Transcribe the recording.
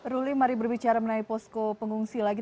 ruli mari berbicara mengenai posko pengungsi lagi